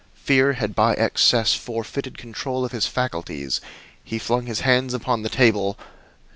Fear had by excess forfeited control of his faculties. He flung his hands upon the table.